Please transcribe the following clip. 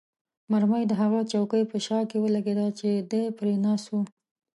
مرمۍ د هغه چوکۍ په شا کې ولګېده چې دی پرې ناست وو.